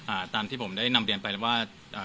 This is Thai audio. อ่าตามที่ผมได้นำเรียนไปแล้วว่าอ่า